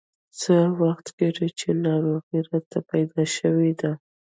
څه وخت کېږي چې ناروغي راته پیدا شوې ده.